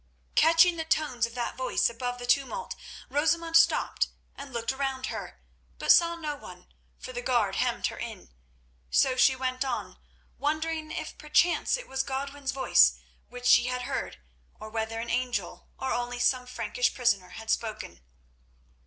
Catching the tones of that voice above the tumult, Rosamund stopped and looked around her, but saw no one, for the guard hemmed her in. So she went on, wondering if perchance it was Godwin's voice which she had heard, or whether an angel, or only some Frankish prisoner had spoken.